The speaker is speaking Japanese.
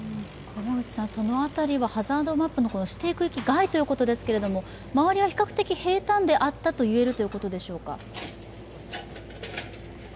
その辺りはハザードマップの指定区域外ということですが周りは比較的、平たんであったと言えるということでしょうか。